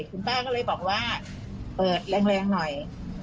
คุณป้าก็เลยบอกว่าเปิดแรงหน่อย